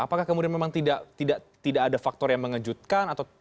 apakah kemudian memang tidak ada faktor yang mengejutkan